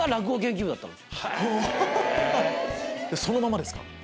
そのままですか？